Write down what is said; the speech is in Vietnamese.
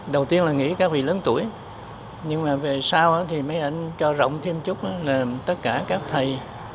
đầu tiên là nghĩ các vị lớn tuổi nhưng mà về sau thì mấy anh cho rộng thêm chút là tất cả các thầy